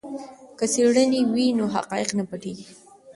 که څېړنه وي نو حقایق نه پټیږي.